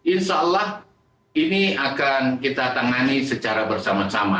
insya allah ini akan kita tangani secara bersama sama